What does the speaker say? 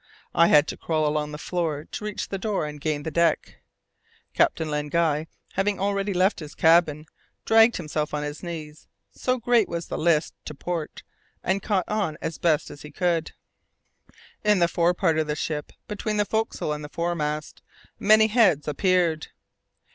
I had to crawl along the floor to reach the door and gain the deck. Captain Len Guy having already left his cabin, dragged himself on his knees, so great was the list to port, and caught on as best he could. In the fore part of the ship, between the forecastle and the fore mast, many heads appeared.